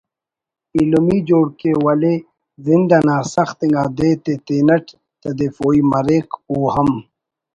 ایلمی جوڑ کے ولے زند انا سخت انگا دے تے تینٹ تدیفوئی مریک او ہم